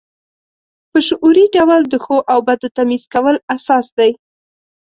په شعوري ډول د ښو او بدو تمیز کول اساس دی.